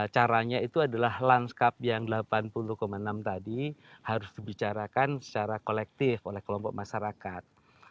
caranya itu adalah landscape yang delapan puluh enam tadi harus dibicarakan secara kolektif oleh kelompok masyarakat